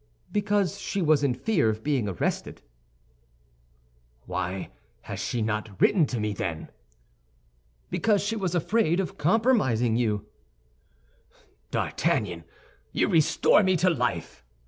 "Because she was in fear of being arrested." "Why has she not written to me, then?" "Because she was afraid of compromising you." "D'Artagnan, you restore me to life!"